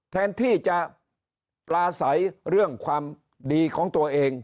แทนที่จะปลาใสเรื่องความดีของตัวเอง